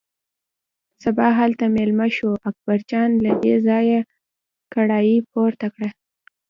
سبا هلته مېله شوه، اکبرجان له دې ځایه کړایی پورته کړه.